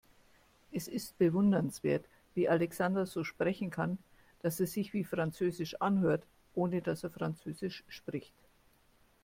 Es ist bewundernswert, wie Alexander so sprechen kann, dass es sich wie französisch anhört, ohne dass er französisch spricht.